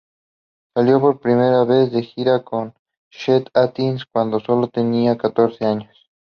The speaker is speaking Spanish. Salió por primera vez de gira con Chet Atkins cuando solo tenía catorce años.